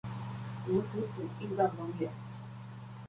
牛埔仔運動公園